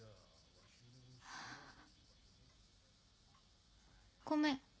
あ。ごめん。